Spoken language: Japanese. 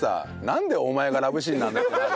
なんでお前がラブシーンなんだってなるよ。